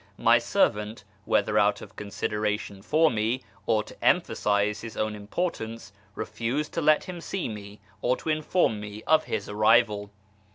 My servant (whether out of consideration for me, or to emj)hasise his own importance) refused to let him see me or to inform me of his arrival.